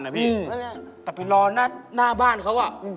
แต่ไปรอหน้าบ้านเขา